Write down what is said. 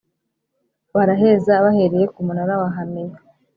baraheza bahereye ku munara wa Hameya